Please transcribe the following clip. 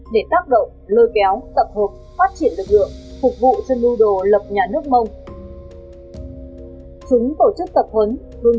để xác định là cốt cán tích cực trong tổ chức bất hợp pháp dương văn mình